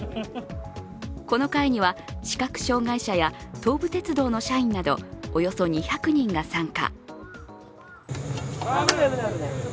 この会には視覚障害者や東武鉄道の社員などおよそ２００人が参加。